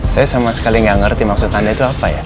saya sama sekali nggak ngerti maksud anda itu apa ya